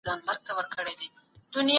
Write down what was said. موږ وخت بيا زده کوو.